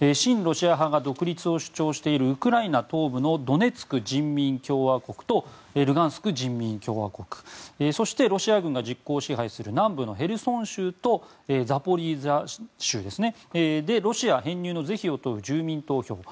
親ロシア派が独立を主張しているウクライナ東部のドネツク人民共和国とルガンスク人民共和国そしてロシア軍が実効支配する南部のヘルソン州とザポリージャ州でロシア編入の是非を問う住民投票を